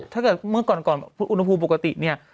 ถ้าเกิดเมื่อก่อนอุณหภูมิปกติเนี่ย